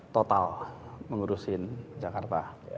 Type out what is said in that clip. total mengurusin jakarta